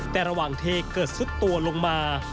แต่ระหว่างเทเกิดซุดตัวลงมา